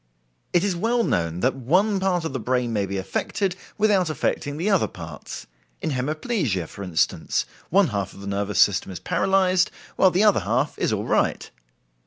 It is well known that one part of the brain may be affected without affecting the other parts. In hemiplegia, for instance, one half of the nervous system is paralyzed, while the other half is all right.